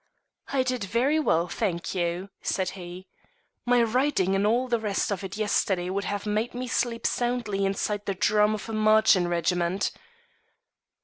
"I did very well, I thank you," said he. "My riding and all the rest of it yesterday would have made me sleep soundly inside the drum of a marching régiment."